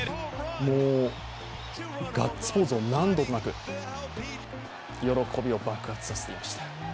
もうガッツポーズを何度となく喜びを爆発させていました。